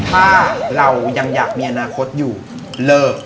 ถ้าเรายังอยากมีอนาคตอยู่เลิก